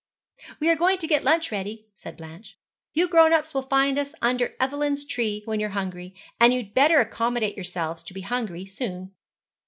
'We are going to get lunch ready,' said Blanche. 'You grown ups will find us under Evelyn's tree when you're hungry, and you'd better accommodate yourselves to be hungry soon.'